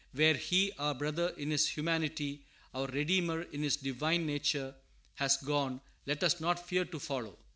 Where He, our Brother in His humanity, our Redeemer in His divine nature, has gone, let us not fear to follow.